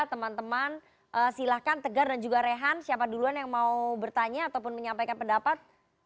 teman teman silahkan tegar dan juga rehan siapa duluan yang mau bertanya ataupun menyampaikan pendapat